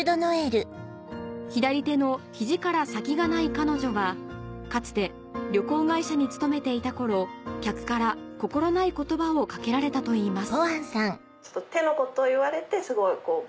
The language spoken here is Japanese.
左手の肘から先がない彼女はかつて旅行会社に勤めていた頃客から心ない言葉を掛けられたといいます